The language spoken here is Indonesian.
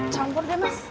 campur deh mas